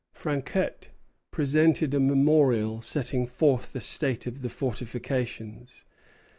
Franquet presented a memorial setting forth the state of the fortifications.